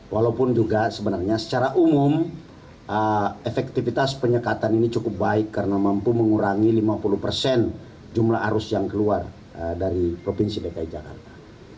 walaupun juga sebenarnya secara umum efektivitas penyekatan ini cukup baik karena mampu mengurangi lima puluh persen jumlah arus yang keluar dari provinsi dki jakarta